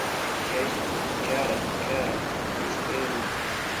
Hej, kara, kara.. Esperu